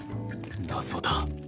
謎だ